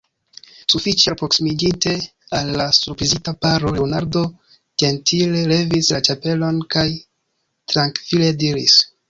Sufiĉe alproksimiĝinte al la surprizita paro, Leonardo ĝentile levis la ĉapelon kaj trankvile diris: